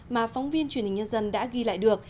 mà phóng viên truyền hình nhân dân đã ghi lại được